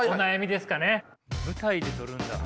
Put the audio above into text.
舞台で撮るんだ。